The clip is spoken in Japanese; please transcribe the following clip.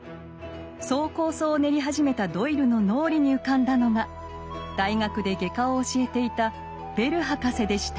そう構想を練り始めたドイルの脳裏に浮かんだのが大学で外科を教えていたベル博士でした。